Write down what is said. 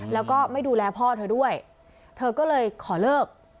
แล้วก็ไม่ดูแลพ่อเธอด้วยเธอก็เลยขอเลิก